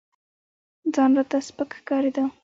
ځان راته سپك ښكارېده.